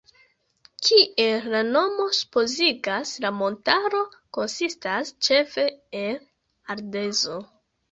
Kiel la nomo supozigas, la montaro konsistas ĉefe el ardezo.